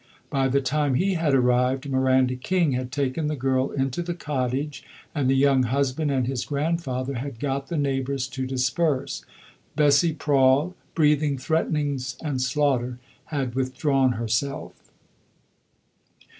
By the time he had arrived, Miranda King had taken the girl into the cottage, and the young husband and his grandfather had got the neighbours to disperse. Bessie Prawle, breathing threatenings and slaughter, had withdrawn herself.